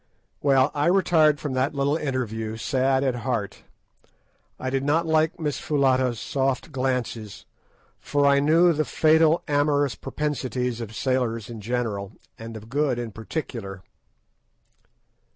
Well, I retired from that little interview sad at heart. I did not like Miss Foulata's soft glances, for I knew the fatal amorous propensities of sailors in general, and of Good in particular.